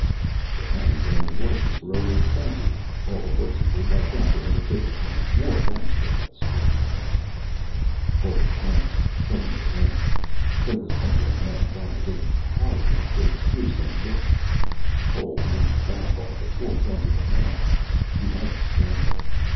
"There haven't been any horses for over a century. All the horses were wiped out during the Fifth Atomic War. That's why it's strange." Cole tensed, suddenly alert. There was something in the man's eyes, a hardness, a piercing look. Cole moved back off the porch, onto the path. He had to be careful.